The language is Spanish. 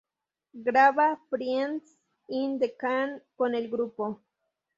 Graba "Friends In The Can" con el grupo.